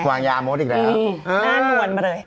วางยามดอีกแล้วหน้านวลมาเลย